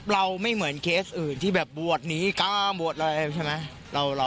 เราไม่เหมือนเคสอื่นที่แบบบวชหนีกล้าบวชอะไรใช่ไหม